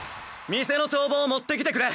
店の帳簿を持ってきてくれ。